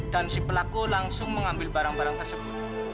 dan si pelaku langsung mengambil barang barang tersebut